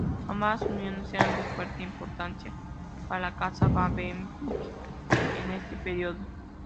Ambas uniones eran de fuerte importancia para la casa Babenberg en ese periodo.